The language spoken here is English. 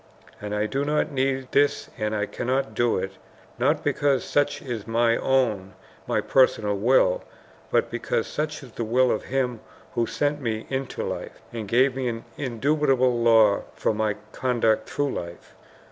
And I do not need this and I cannot do it, not because such is my own, my personal will, but because such is the will of him who sent me into life, and gave me an indubitable law for my conduct through life."